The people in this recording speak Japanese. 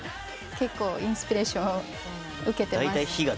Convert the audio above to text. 結構インスピレーションを受けてます。